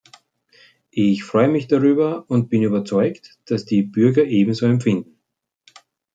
Ich freue mich darüber, und ich bin überzeugt, dass die Bürger ebenso empfinden.